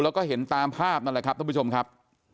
แล้วก็เห็นตามภาพนั่นแหละครับท่านผู้ชมครับ